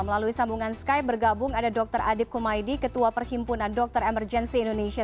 melalui sambungan sky bergabung ada dr adib kumaydi ketua perhimpunan dokter emergensi indonesia